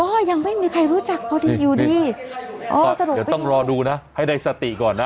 ก็ยังไม่มีใครรู้จักเขาอยู่ดีอ้อสะดวกไปต้องรอดูนะให้ได้สติก่อนนะ